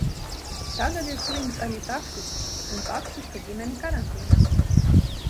Tagad ir slims arī taksists un taksista ģimene karantīnā.